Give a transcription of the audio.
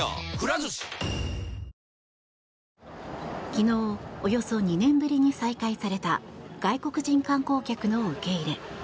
昨日およそ２年ぶりに再開された外国人観光客の受け入れ。